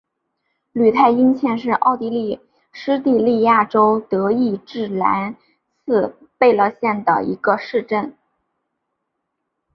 施泰因茨是奥地利施蒂利亚州德意志兰茨贝格县的一个市镇。